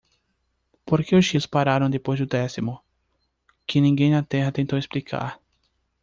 Por que os tiros pararam depois do décimo? que ninguém na Terra tentou explicar.